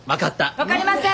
分かりません！